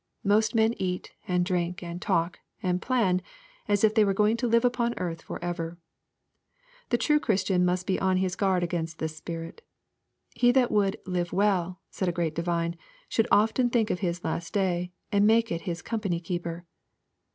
Most men eat, and drink, and talk, and plan, as if they were going to live upon earth fo?' ever. The true Christian must be on his guard against this spirit. "He that would live well," said a great divine, "should often think of his last day, and make it his company keeper."